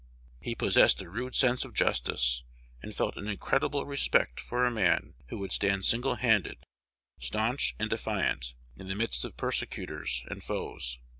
He possessed a rude sense of justice, and felt an incredible respect for a man who would stand single handed, stanch, and defiant, in the midst of persecutors and foes.